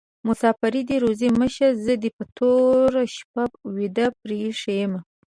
مسافري دي روزي مشه: زه دي په توره شپه ويده پریښي يمه